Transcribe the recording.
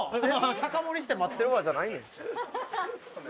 「酒盛りして待ってるわじゃないねん」